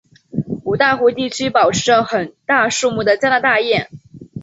五大湖地区保持着很大数目的加拿大雁。